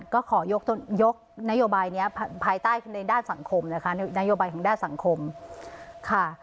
ก็ขอยกนโยบายนี้ภายใต้ในด้านสังคมนะคะนโยบายของด้านสังคมค่ะ